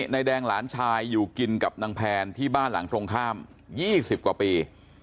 นายแดงหลานชายอยู่กินกับนางแพนที่บ้านหลังตรงข้าม๒๐กว่าปี